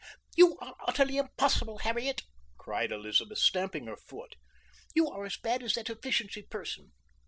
"You are utterly impossible, Harriet!" cried Elizabeth, stamping her foot. "You are as bad as that efficiency person.